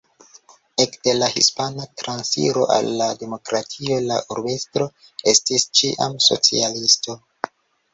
Ekde la Hispana Transiro al la demokratio la urbestro estis ĉiam socialisto.